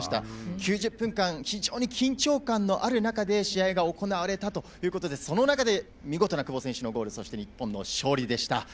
９０分間非常に緊張感のある中で試合が行われたということでその中で見事な久保選手のゴールそして、日本の勝利でした。